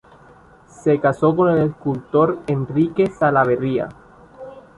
Se casó con el escultor Enrique Salaverría.